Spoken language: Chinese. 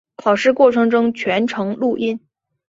考试过程中全程录音。